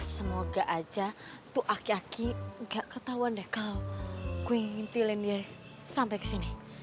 semoga aja tuh aki aki gak ketauan deh kalo gue ngintilin dia sampe kesini